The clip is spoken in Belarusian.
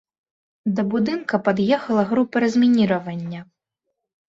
Да будынка пад'ехала група размініравання.